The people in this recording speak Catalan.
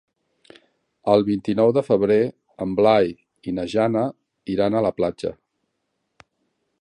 El vint-i-nou de febrer en Blai i na Jana iran a la platja.